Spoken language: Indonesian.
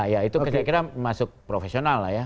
ya itu saya kira masuk profesional lah ya